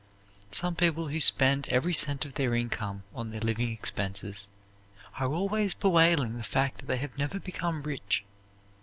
Some people who spend every cent of their income on their living expenses are always bewailing the fact that they have never become rich.